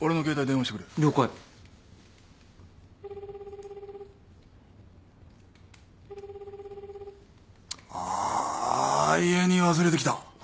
家に忘れてきた。